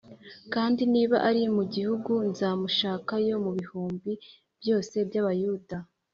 kandi niba ari mu gihugu nzamushakayo mu bihumbi byose by’Abayuda.